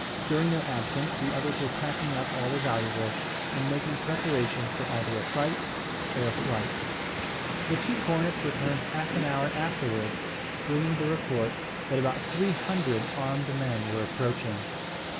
During their absence the others were packing up all their valuables, and making preparation for either a fight or a flight. The two cornets returned half an hour afterwards, bringing the report, that about three hundred armed men were approaching.